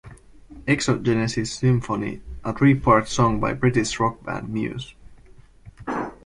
"Exogenesis Symphony" - a three part song by British rock band Muse.